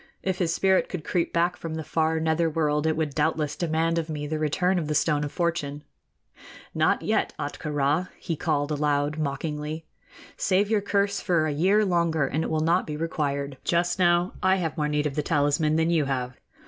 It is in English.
If his spirit could creep back from the far nether world, it would doubtless demand of me the return of the Stone of Fortune.... Not yet, Ahtka Rā!" he called aloud, mockingly; "save your curse for a year longer, and it will not be required. Just now I have more need of the talisman than you have!"